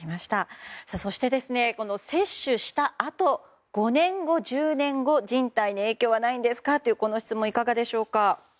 そして、接種したあと５年後、１０年後人体に影響はないんですかという質問はいかがでしょうか。